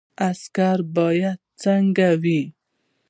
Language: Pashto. عسکر باید څنګه وي؟